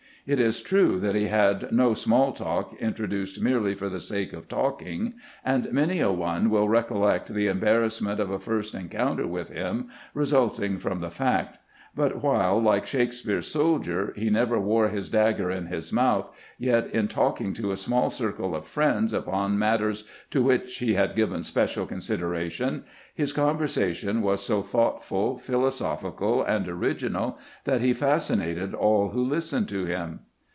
It is true that he had no " small talk " introduced merely for the sake of talking, and many a one will rec ollect the embarrassment of a first encounter with him resulting from this fact; but while, like Shakspere's soldier, he never wore his dagger in his mouth, yet in talking to a small circle of friends upon matters to which he had given special consideration, his conver sation was so thoughtful, philosophical, and original that he fascinated all who listened to him.